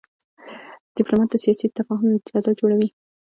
ډيپلومات د سیاسي تفاهم فضا جوړوي.